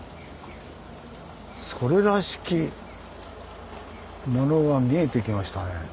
それらしきものが見えてきましたね。